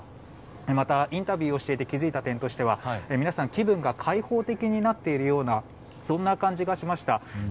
またインタビューをして気づいた点としては気分が開放的になっているような感じがしました。